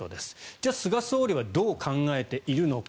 じゃあ菅総理はどう考えているのか。